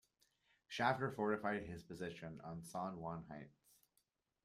Shafter fortified his position on San Juan Heights.